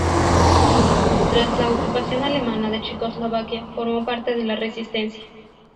Tras la ocupación alemana de Checoslovaquia, formó parte de la resistencia.